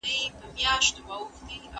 هغه کتابتون ته ځي